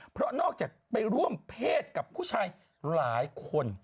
เพราะนอกจากไปร่วมเพศกับผู้ชายหลายคน